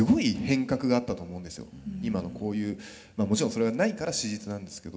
今のこういうもちろんそれはないから史実なんですけど。